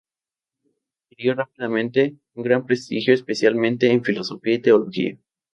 Adquirió rápidamente un gran prestigio, especialmente en filosofía y teología.